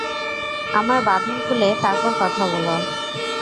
আমার বাঁধন খুলে তারপর কথা বল।